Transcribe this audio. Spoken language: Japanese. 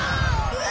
うわ！